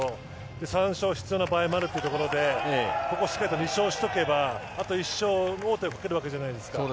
３勝必要な場合もあるというところでここをしっかり２勝しておけばあと１勝で王手をかけるわけじゃないですか。